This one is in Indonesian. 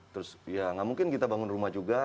terus ya nggak mungkin kita bangun rumah juga